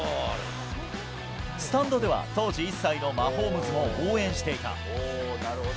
スタンドでは当時１歳のマホームズも応援していた。